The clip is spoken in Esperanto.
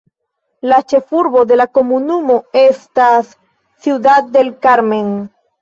La ĉefurbo de la komunumo estas Ciudad del Carmen.